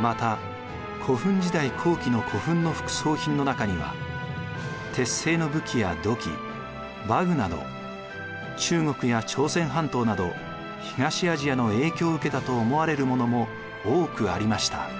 また古墳時代後期の古墳の副葬品の中には鉄製の武器や土器馬具など中国や朝鮮半島など東アジアの影響を受けたと思われるものも多くありました。